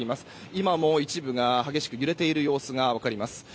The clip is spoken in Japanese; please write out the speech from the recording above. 今も一部が激しく揺れている様子が分かります。